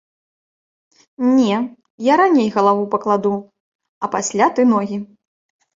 Не, я раней галаву пакладу, а пасля ты ногі.